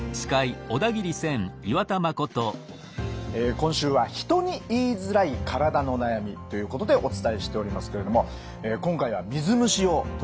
今週は「人に言いづらい体の悩み」ということでお伝えしておりますけれども今回は水虫を取り上げます。